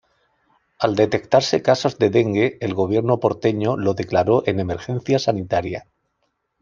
Al detectarse casos de dengue, el gobierno porteño lo declaró en emergencia sanitaria.